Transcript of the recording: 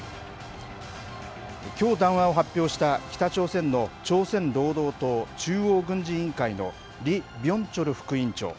きょう談話を発表した北朝鮮の朝鮮労働党中央軍事委員会のリ・ビョンチョル副委員長。